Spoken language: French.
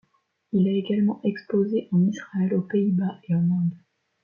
Il a également exposé en Israël, aux Pays-Bas et en Inde.